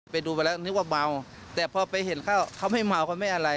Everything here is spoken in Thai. ไปดูไปแล้วนึกว่าเมาแต่พอไปเห็นเขาไม่เมาเขาไม่อะไร